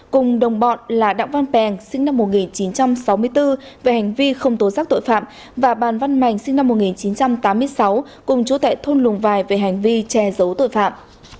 cùng đồng bọn là đặng văn pèng sinh năm một nghìn chín trăm sáu mươi bốn về hành vi không tố giác tội phạm và bàn văn mảnh sinh năm một nghìn chín trăm tám mươi sáu cùng chú tại thôn lùng vài về hành vi che giấu tội phạm